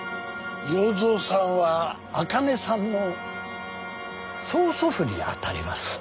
洋蔵さんは茜さんの曾祖父に当たります。